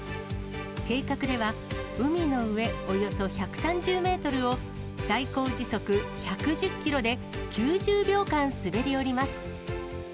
計画では、海の上およそ１３０メートルを、最高時速１１０キロで、９０秒間滑り降ります。